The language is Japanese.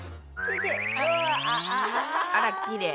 あらきれい。